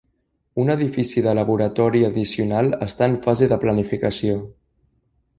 Un edifici de laboratori addicional està en fase de planificació.